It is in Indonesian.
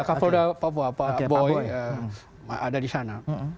kapolda papua pak boy ada di sana